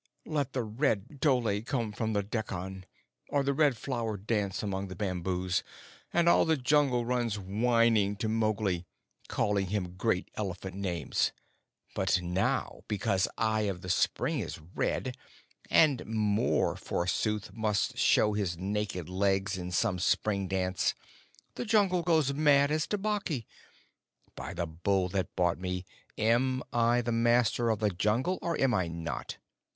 "Let the Red Dhole come from the Dekkan, or the Red Flower dance among the bamboos, and all the Jungle runs whining to Mowgli, calling him great elephant names. But now, because Eye of the Spring is red, and Mor, forsooth, must show his naked legs in some spring dance, the Jungle goes mad as Tabaqui.... By the Bull that bought me! am I the Master of the Jungle, or am I not?